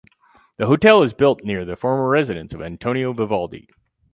The hotel is built near the former residence of Antonio Vivaldi.